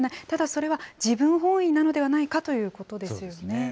ただ、それは自分本位なのではないかということですよね。